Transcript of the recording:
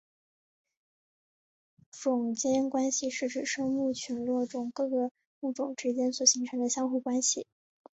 种间关系是指生物群落中各个物种之间所形成相互关系。